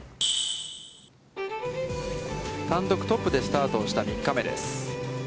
単独トップでスタートした３日目です。